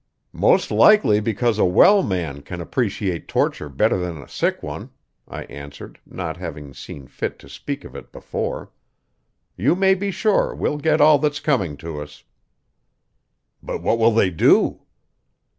"Most likely because a well man can appreciate torture better than a sick one," I answered, not having seen fit to speak of it before. "You may be sure we'll get all that's coming to us." "But what will they do?"